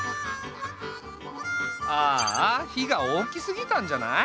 ああ火が大きすぎたんじゃない？